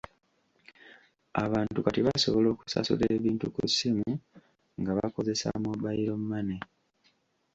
Abantu kati basobola okusasula ebintu ku ssimu nga bakozesa mobayiro mmane.